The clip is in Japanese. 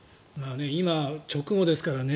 今、直後ですからね。